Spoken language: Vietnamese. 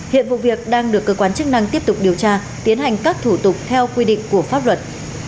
hiện vụ việc đang được cơ quan chức năng tiếp tục điều tra tiến hành các thủ tục theo quy định của pháp luật